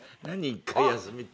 １回休みって。